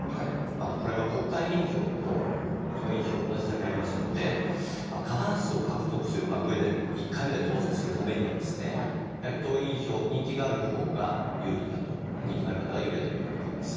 これは国会議員票と党員票、同じだけありますので、過半数を獲得するうえで、１回目で当選するためには、やはり党員票、人気があるほうが有利だと、人気がある方が有利だといわれています。